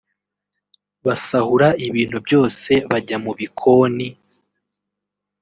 basahura ibintu byose bajya mu bikoni